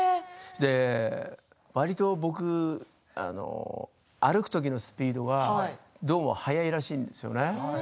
わりと僕は歩くときのスピードがどうも速いらしいんですよね。